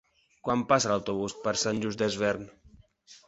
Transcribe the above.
Quan passa l'autobús per Sant Just Desvern?